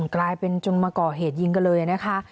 กลายเป็นจนมาก่อเหตุยิงกันเลยนะคะ